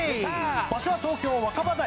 場所は東京若葉台。